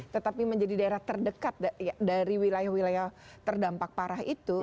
tetapi menjadi daerah terdekat dari wilayah wilayah terdampak parah itu